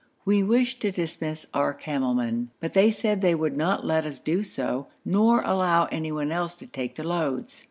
We wished to dismiss our camel men, but they said they would not let us do so, nor allow anyone else to take the loads.